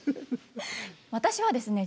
私はですね